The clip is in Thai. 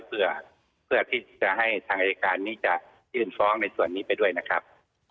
เพื่อที่จะให้ทางอายการนี้จะยื่นฟ้องในส่วนนี้ไปด้วยนะครับ